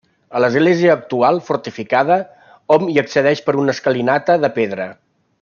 A l'església actual, fortificada, hom hi accedeix per una escalinata de pedra.